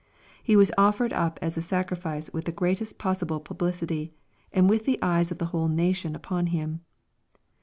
He was offered up as a sacrifice with the greatest possible publicity, and with the eyes of the \^ hole nation upon Him.